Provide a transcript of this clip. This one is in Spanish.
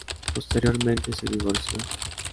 Posteriormente se divorció.